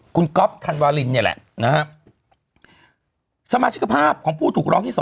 คุณก๊อฟธันวาลินเนี่ยแหละนะฮะสมาชิกภาพของผู้ถูกร้องที่๒